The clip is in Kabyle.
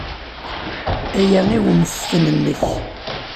Aya i ummesten-nnek.